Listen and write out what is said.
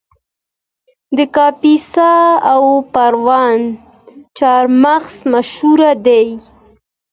د کاپیسا او پروان چهارمغز مشهور دي